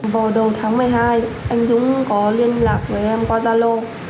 vào đầu tháng một mươi hai anh dũng có liên lạc với em qua zalo